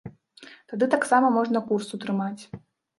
Тады таксама можна курс утрымаць.